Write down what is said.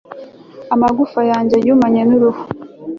amagufa yanjye yumanye n'uruhu